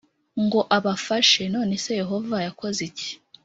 ngo abafashe None se Yehova yakoze iki